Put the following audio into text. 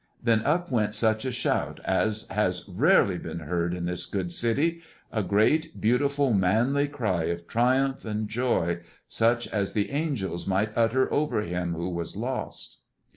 Then up went such a shout as has rarely been heard in this good city; a great, beautiful, manly cry of triumph and joy, such as the angels might utter over him who was lost.